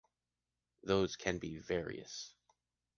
Those can be various.